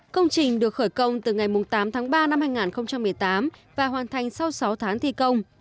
công trình được khởi công từ ngày tám tháng ba năm hai nghìn một mươi tám và hoàn thành sau sáu tháng thi công